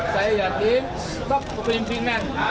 saya yakin stok kepemimpinan